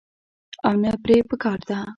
او نۀ پرې پکار ده -